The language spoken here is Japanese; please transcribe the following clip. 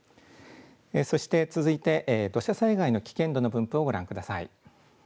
そして続いて土砂災害の危険度の分布をご覧ください。